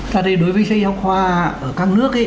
thế thì đối với sách giáo khoa ở các nước